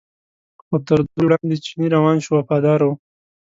خو تر دوی وړاندې چینی روان شو وفاداره و.